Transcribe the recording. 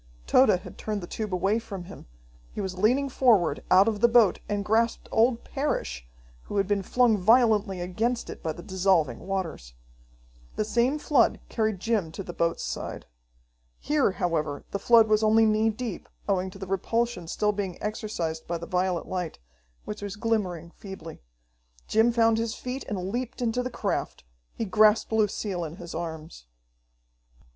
Tode had turned the tube away from him. He was leaning forward out of the boat and grasped old Parrish, who had been flung violently against it by the dissolving waters. The same flood carried Jim to the boat's side. Here, however, the flood was only knee deep, owing to the repulsion still being exercised by the violet light, which was glimmering feebly. Jim found his feet and leaped into the craft. He grasped Lucille in his arms.